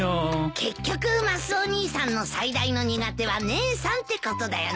結局マスオ兄さんの最大の苦手は姉さんってことだよね。